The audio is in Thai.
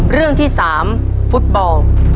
เรื่องที่๓ฟุตบอล